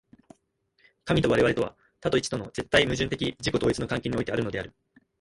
神と我々とは、多と一との絶対矛盾的自己同一の関係においてあるのである。